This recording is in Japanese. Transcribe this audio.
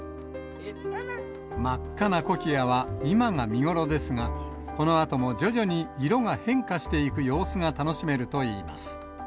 真っ赤なコキアは今が見頃ですが、このあとも徐々に色が変化していく様子が楽しめるといいます。